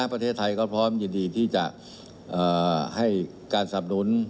ประเทศไทยก็พร้อมยินดีที่จะให้การสับหนุน